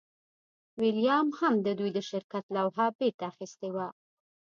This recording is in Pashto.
ویلما هم د دوی د شرکت لوحه بیرته اخیستې وه